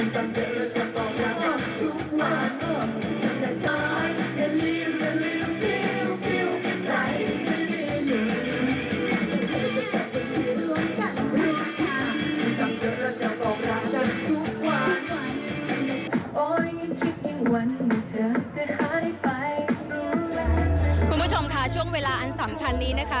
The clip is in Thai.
คุณผู้ชมค่ะช่วงเวลาอันสำคัญนี้นะคะ